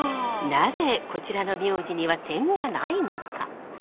なぜこちらの名字には点がないのか？